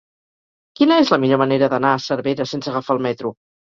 Quina és la millor manera d'anar a Cervera sense agafar el metro?